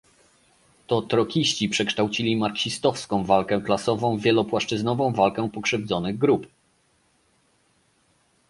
To trockiści przekształcili marksistowską walkę klasową w wielopłaszczyznową walkę pokrzywdzonych grup